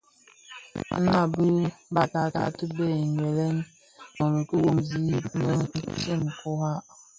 Nlanlan tibaňa ti bë wewel inoli ki womzi më ntsee kurak.